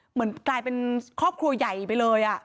เหมือนกลายเป็นครอบครัวใหญ่ไปเลย